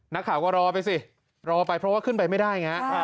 นักข่าวก็รอไปสิรอไปเพราะว่าขึ้นไปไม่ได้ไง